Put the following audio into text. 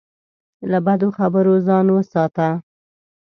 له بدو خبرو ځان وساته.